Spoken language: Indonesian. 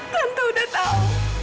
tante udah tau